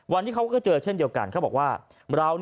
วันที่เขาก็เจอเช่นเดียวกันเค้าบอกว่า